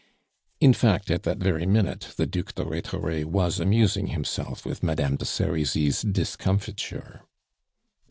In fact, at that very minute, the Duc de Rhetore was amusing himself with Madame de Serizy's discomfiture.